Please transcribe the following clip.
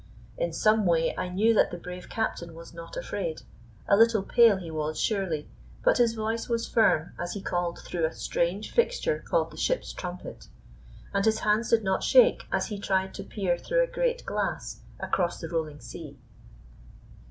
In some way I knew that the brave captain was not afraid. A little pale he was, surely, but his voice was firm as he called through a strange fixture called the ship's trumpet. And his hands did not shake as he tried to peer through a great glass across the rolling sea.